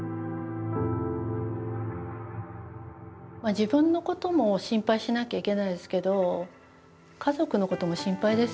自分のことも心配しなきゃいけないですけど家族のことも心配ですよね。